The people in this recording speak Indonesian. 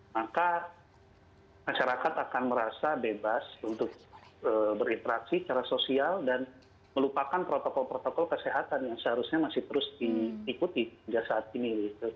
maka masyarakat akan merasa bebas untuk berinteraksi secara sosial dan melupakan protokol protokol kesehatan yang seharusnya masih terus diikuti hingga saat ini